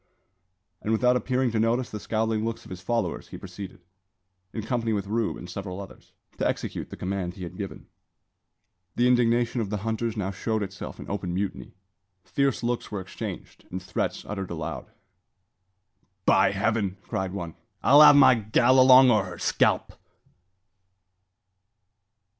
And without appearing to notice the scowling looks of his followers, he proceeded, in company with Rube and several others, to execute the command he had given. The indignation of the hunters now showed itself in open mutiny. Fierce looks were exchanged, and threats uttered aloud. "By Heaven!" cried one, "I'll have my gal along, or her scalp."